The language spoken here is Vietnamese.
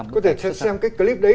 có thể xem clip đấy